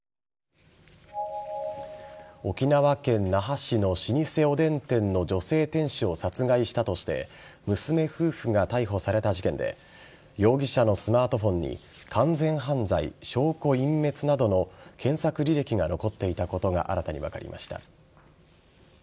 沖縄県那覇市の老舗おでん店の女性店主を殺害したとして娘夫婦が逮捕された事件で容疑者のスマートフォンに完全犯罪、証拠隠滅などの検索履歴が残っていたことが新たに分かりました。